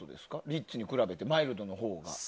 リッチに比べてマイルドのほうが。